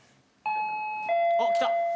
・あっ来た！